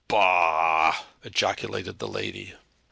"Bah ah ah!" ejaculated the lady.